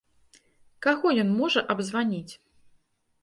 Каго ён можа абзваніць?